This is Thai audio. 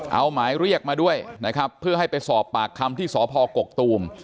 เอาหมายเรียกมาด้วยนะครับเพื่อให้ไปสอบปากคำที่สพกกตูม